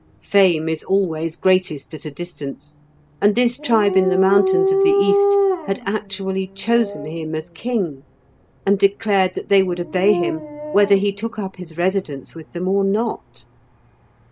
Fame is always greatest at a distance, and this tribe in the mountains of the east had actually chosen him as king, and declared that they would obey him whether he took up his residence with them or not.